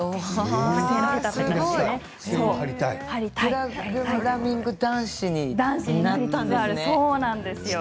プログラミング男子になったんですね。